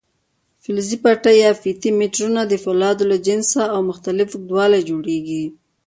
فلزي پټۍ یا فیتې میټرونه د فولادو له جنسه او مختلف اوږدوالي جوړېږي.